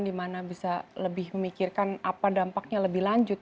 dimana bisa lebih memikirkan apa dampaknya lebih lanjut